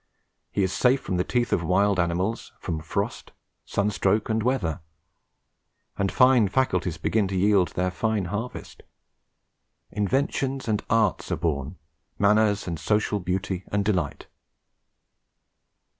He is safe from the teeth of wild animals, from frost, sunstroke, and weather; and fine faculties begin to yield their fine harvest. Inventions and arts are born, manners, and social beauty and delight."